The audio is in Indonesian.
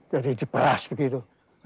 jadi diperas begitu